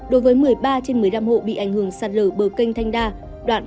đối với một mươi ba trên một mươi năm hộ bị ảnh hưởng sạt lở bờ kênh thanh đa đoạn một một